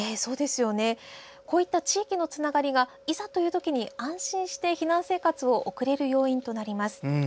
こういった地域のつながりがいざという時に安心して避難生活を送れる要因となります。